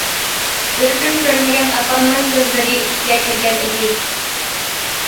بىر كۈن كۆرمىگەن ئاپامنىڭ كۆزلىرى ئىچىگە كىرگەن ئىدى.